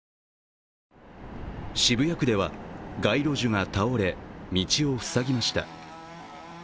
渋谷区では、街路樹が倒れ、道を塞ぎました。